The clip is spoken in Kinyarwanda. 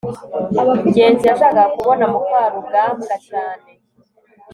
ngenzi yashakaga kubona mukarugambwa cyane